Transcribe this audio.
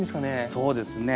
そうですね。